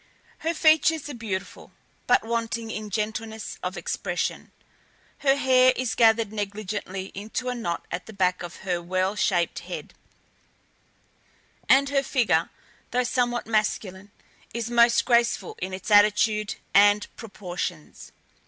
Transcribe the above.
Her features are beautiful, but wanting in gentleness of expression; her hair is gathered negligently into a knot at the back of her well shaped head; and her figure, though somewhat masculine, is most graceful in its attitude and proportions.